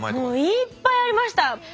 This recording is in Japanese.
もういっぱいありました。